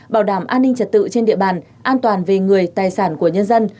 bảo đảm an ninh trật tự trên địa bàn an toàn về người tài sản của nhân dân